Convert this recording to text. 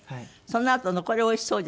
そのあとのこれおいしそう。